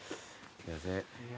すいません。